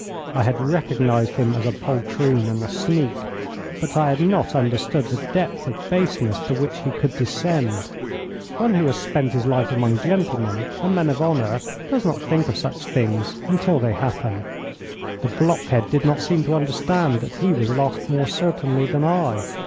I had recognized him as a poltroon and a sneak, but I had not understood the depth of baseness to which he could descend. One who has spent his life among gentlemen and men of honour does not think of such things until they happen. The blockhead did not seem to understand that he was lost more certainly than I.